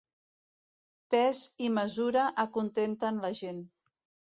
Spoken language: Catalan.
Pes i mesura acontenten la gent.